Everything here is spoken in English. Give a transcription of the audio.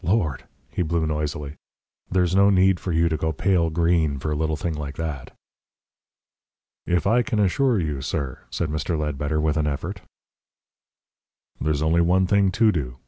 Lord!" He blew noisily. "There's no need for you to go pale green for a little thing like that." "If I can assure you, sir " said Mr. Ledbetter, with an effort. "There's only one thing to do.